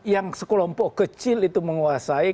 yang sekelompok kecil itu menguasai